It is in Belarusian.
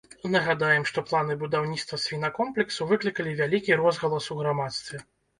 Нагадаем, што планы будаўніцтва свінакомплексу выклікалі вялікі розгалас у грамадстве.